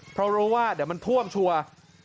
เพราะรู้ว่าเดี๋ยวมันท่วมชัวร์